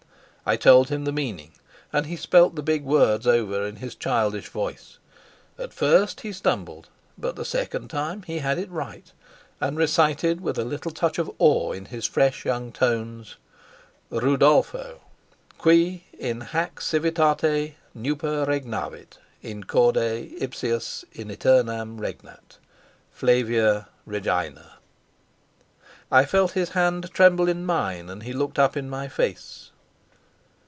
I told him the meaning, and he spelt the big words over in his childish voice; at first he stumbled, but the second time he had it right, and recited with a little touch of awe in his fresh young tones: RUDOLFO Qui in hac civitate nuper regnavit In corde ipsius in aeternum regnat FLAVIA REGINA. I felt his hand tremble in mine, and he looked up in my face.